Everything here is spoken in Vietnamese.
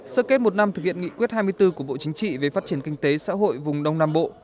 sơ kết một năm thực hiện nghị quyết hai mươi bốn của bộ chính trị về phát triển kinh tế xã hội vùng đông nam bộ